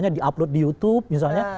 di upload di youtube misalnya